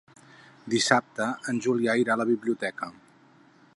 Dissabte en Julià irà a la biblioteca.